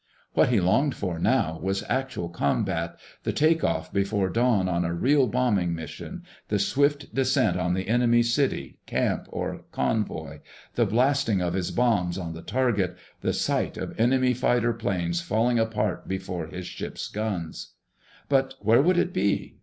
What he longed for now was actual combat—the take off before dawn on a real bombing mission—the swift descent on the enemy city, camp, or convoy—the blasting of his bombs on the target—the sight of enemy fighter planes falling apart before his ship's guns. But where would it be?